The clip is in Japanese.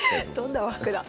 どんな和服だ。